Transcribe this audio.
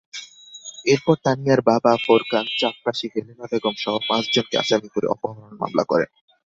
এরপর তানিয়ার বাবা ফোরকান চাপরাশি হেলেনা বেগমসহ পাঁচজনকে আসামি করে অপহরণ মামলা করেন।